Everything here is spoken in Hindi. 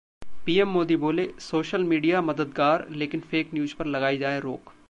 पीएम मोदी बोले- सोशल मीडिया मददगार लेकिन फेक न्यूज पर लगाई जाए रोक